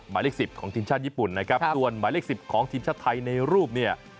หมายเลข๑๐ของทีมชาติญี่ปุ่นนะครับส่วนหมายเลข๑๐ของทีมชาติไทยในรูปเนี่ย